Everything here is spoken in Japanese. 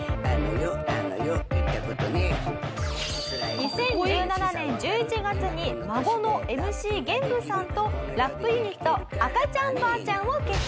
２０１７年１１月に孫のＭＣ玄武さんとラップユニット赤ちゃん婆ちゃんを結成。